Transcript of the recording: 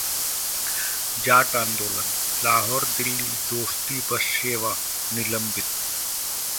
जाट आंदोलन: लाहौर-दिल्ली ‘दोस्ती’ बस सेवा निलंबित